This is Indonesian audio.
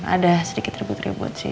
ada sedikit ribut ribut sih